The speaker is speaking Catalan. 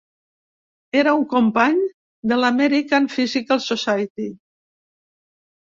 Era un company de l'American Physical Society.